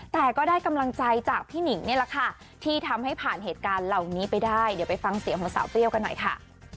แต่ก็ได้กำลังใจจากพี่หนิงนี่แหละค่ะที่ทำให้ผ่านเหตุการณ์เหล่านี้ไปได้เดี๋ยวไปฟังเสียงของสาวเปรี้ยวกันหน่อยค่ะ